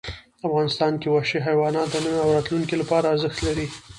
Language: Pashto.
افغانستان کې وحشي حیوانات د نن او راتلونکي لپاره ارزښت لري.